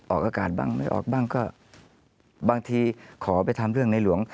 ออกอากาศบ้างไม่ออกบ้างก็บางทีขอไปทำเรื่องในหลวง